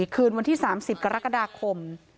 คืนวันที่๓๐กรกฎาคม